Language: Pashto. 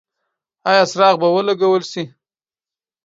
ایا څراغ به ولګول شي؟